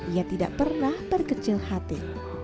ia tidak pernah berkecil hati